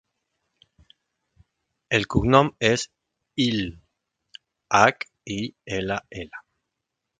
El cognom és Hill: hac, i, ela, ela.